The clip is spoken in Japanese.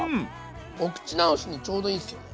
お口直しにちょうどいいんすよね。